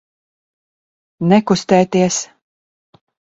Nekustēties!